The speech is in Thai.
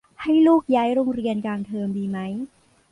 ให้ลูกย้ายโรงเรียนกลางเทอมดีไหม